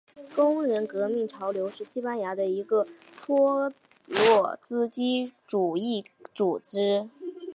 工人革命潮流是西班牙的一个托洛茨基主义组织。